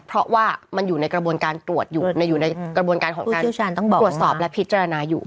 เพราะว่ามันอยู่ในกระบวนการตรวจอยู่ในกระบวนการของการตรวจสอบและพิจารณาอยู่